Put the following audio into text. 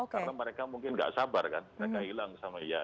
karena mereka mungkin nggak sabar kan mereka hilang sama ia